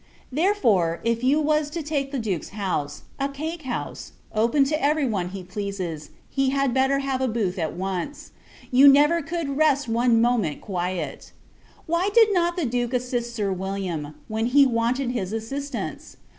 Therefore, if you was to take the Duke's house, a cake house, open to every body he pleases, you had better have a booth at once; you never could rest one moment quiet. Why did not the Duke assist Sir William, when he wanted his assistance?